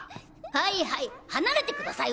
はいはい離れてください。